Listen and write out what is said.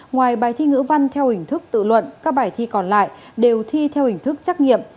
ngoài bài thi ngữ văn theo hình thức tự luận các bài thi còn lại đều thi theo hình thức trắc nghiệm